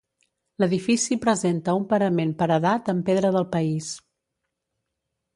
L'edifici presenta un parament paredat amb pedra del país.